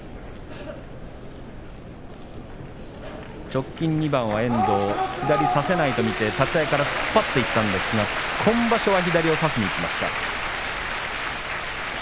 直近２番は遠藤左を差せないと見て突っ張っていったんですけども今場所は左を差しにいきました。